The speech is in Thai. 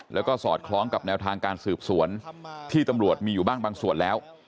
แล้วก็สอดคล้องกับแนวทางการสืบสวนที่ตำรวจมีอยู่บ้างบางส่วนแล้ว